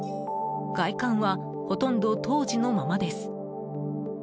外観はほとんど当時のままです。